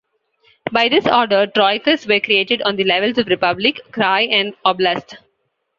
By this order, troikas were created on the levels of republic, krai and oblast.